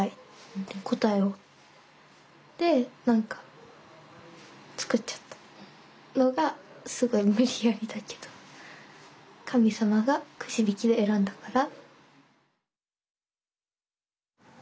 で何かつくっちゃったのがすごい無理やりだけど神さまがくじびきで選んだから。